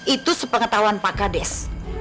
itu sepengetahuan pak kades